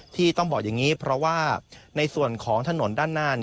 ที่ต้องบอกอย่างนี้เพราะว่าในส่วนของถนนด้านหน้า